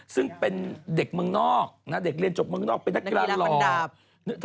ซึ่งเป็นเด็กเมืองนอกนะเด็กเรียนจบเมืองนอกเป็นนักกีฬาหลอก